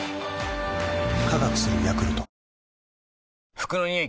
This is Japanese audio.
服のニオイ